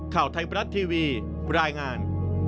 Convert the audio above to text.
ข่าวไทยบรัฐทีวีรายงาน